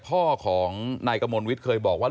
พ่อของนายกระมวลวิทย์เคยบอกว่า